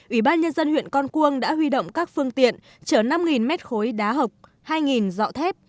ủy ban nhân dân huyện con cuông đã huy động các phương tiện chở năm mét khối đá hộc hai dọ thép